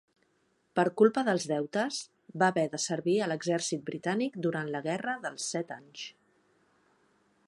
Per culpa dels deutes, va haver de servir a l'exèrcit britànic durant la Guerra dels Set Anys.